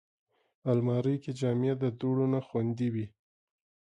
الماري کې جامې د دوړو نه خوندي وي